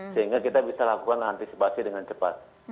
sehingga kita bisa lakukan antisipasi dengan cepat